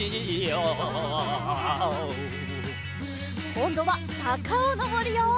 こんどはさかをのぼるよ！